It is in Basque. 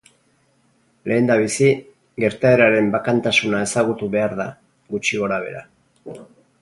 Lehendabizi, gertaeraren bakantasuna ezagutu behar da, gutxi gorabehera.